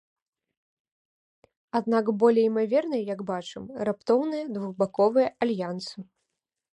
Аднак болей імаверныя, як бачым, раптоўныя двухбаковыя альянсы.